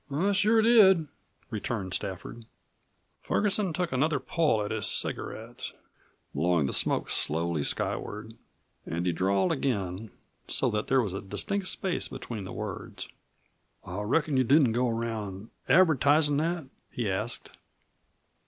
"I sure did," returned Stafford. Ferguson took another pull at his cigarette blowing the smoke slowly skyward. And he drawled again, so that there was a distinct space between the words. "I reckon you didn't go around advertisin' that?" he asked.